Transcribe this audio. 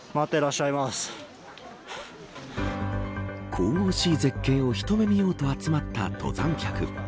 神々しい絶景を一目見ようと集まった登山客。